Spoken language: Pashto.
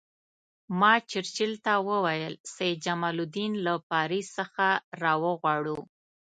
ما چرچل ته وویل سید جمال الدین له پاریس څخه را وغواړو.